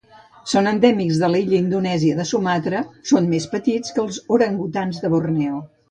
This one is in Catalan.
Són endèmics de l'illa indonèsia de Sumatra, són més petits que els orangutans de Borneo.